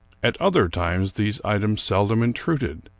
At other times these ideas seldom intruded.